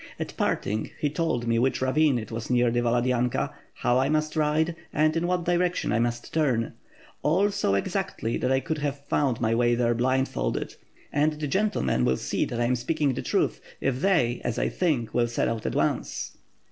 At parting, he told me which ravine it was near the Valad}Tika, how I must ride, and in what direction I must turn; all so exactly that I could have found my way there blindfolded. And *^the gentlemen will see that I am speaking the truth if they, as I think, will set out at once."